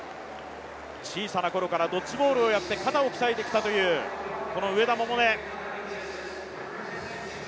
小さなころからドッジボールをやって肩を鍛えてきたというこの上田百寧。